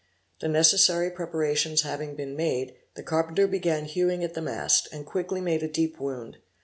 The necessary preparations having been made, the carpenter began hewing at the mast, and quickly made a deep wound.